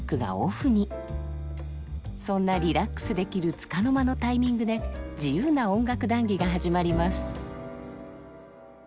そんなリラックスできるつかの間のタイミングで自由な音楽談義が始まります。